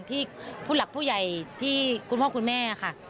ที่ผู้หลักผู้ใหญ่ที่คุณพ่อคุณแม่ค่ะ